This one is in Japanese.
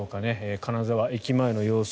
金沢駅前の様子